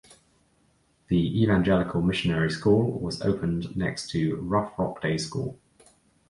The Evangelical Missionary School was opened next to Rough Rock Day School.